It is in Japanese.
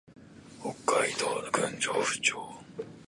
北海道訓子府町